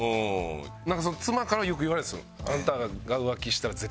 何か妻からよく言われるんす。